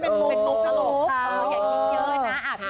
มันเป็นปุ๊บอย่างนี้เยอะนะ